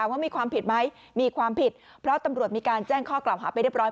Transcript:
ว่ามีความผิดไหมมีความผิดเพราะตำรวจมีการแจ้งข้อกล่าวหาไปเรียบร้อ